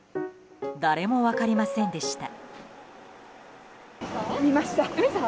誰も分かりませんでした。